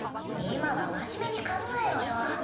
今は真面目に考えろよ。